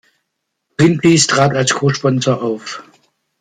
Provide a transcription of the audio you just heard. Greenpeace trat als Co-Sponsor auf.